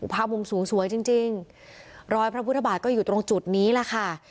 ภาพวงสูงสวยจริงจริงรอยพระพุทธบาทก็อยู่ตรงจุดนี้แหละค่ะ